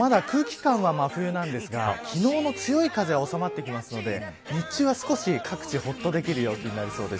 今日もまだ空気感は真冬なんですが、昨日の強い風は収まってきますので日中は各地ほっとできる陽気になりそうです。